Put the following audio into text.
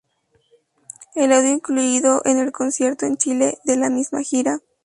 El audio incluido es el concierto en Chile de la misma gira.